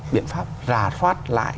biện pháp rà thoát lại